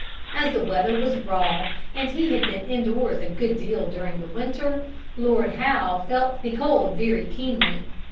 As the weather was raw, and he had been in doors a good deal during the winter, Lord Howe felt the cold very keenly.